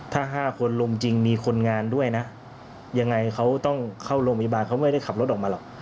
ถ้า๕คนลุมจริงมีคนงานด้วยนะยังไงเขาต้องเข้าโรงพยาบาลเขาไม่ได้ขับรถออกมาหรอก